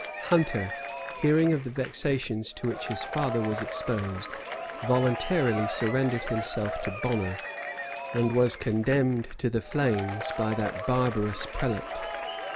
Hunter, hearing of the vexations to which his father was exposed, voluntarily surrendered himself to Bonner, and was condemned to the flames by that barbarous prelate.